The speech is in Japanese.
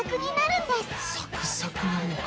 サクサクなのか。